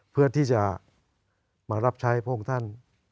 เพื่อที่จะมารับใช้พระองค์ท่าน